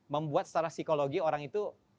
membuat secara psikologi orang itu